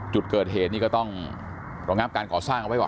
จุดเกิดเหตุนี่ก็ต้องรองับการก่อสร้างเอาไว้ก่อน